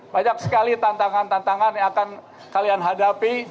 banyak sekali tantangan tantangan yang akan kalian hadapi